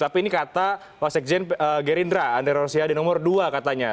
tapi ini kata wasekjen gerindra antara rusia di nomor dua katanya